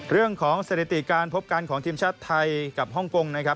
เรื่องของสถิติการพบกันของทีมชาติไทยกับฮ่องกงนะครับ